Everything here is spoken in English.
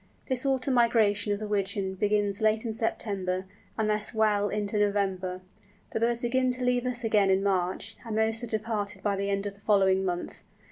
This autumn migration of the Wigeon begins late in September, and lasts well on into November. The birds begin to leave us again in March, and most have departed by the end of the following month.